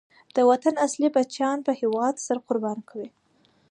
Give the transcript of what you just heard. د وطن اصلی بچیان په هېواد سر قربان کوي.